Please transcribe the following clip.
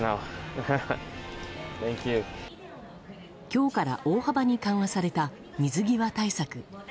今日から大幅に緩和された水際対策。